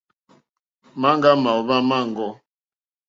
Maŋga màòhva maŋgɔ.